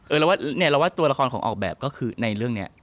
เราว่าตัวละครของออกแบบก็คือในเรื่องนี้